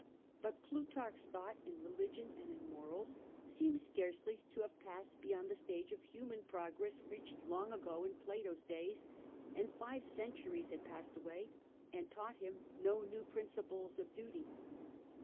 But Plutarch's thought in religion and in morals seems scarcely to have passed beyond the stage of human progress reached long ago in Plato's days, and five centuries had passed away and taught him no new principle of duty.